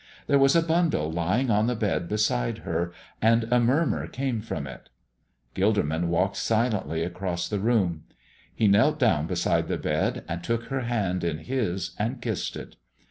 There was a bundle lying on the bed beside her and a murmur came from it. Gilderman walked silently across the room. He knelt down beside the bed and took her hand in his and kissed it.